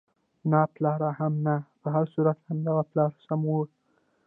نه پلار هم نه، په هر صورت همدغه پلار سم وو.